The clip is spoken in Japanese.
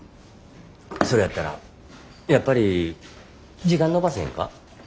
それやったらやっぱり時間延ばさへんか？